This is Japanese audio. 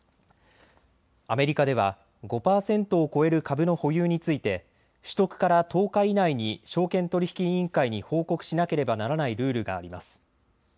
アメリカでは５％を超える株の保有について取得から１０日以内に証券取引委員会に報告しなければならないルールがあります。